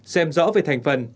xem rõ về thành phần